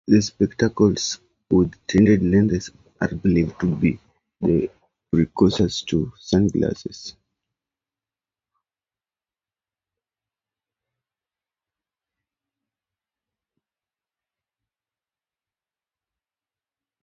These spectacles with tinted lenses are believed to be the precursors to sunglasses.